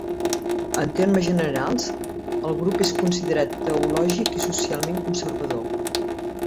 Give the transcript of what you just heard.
En termes generals, el grup és considerat teològic i socialment conservador.